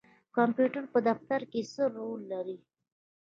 کمپیوټر په دفتر کې څه رول لري؟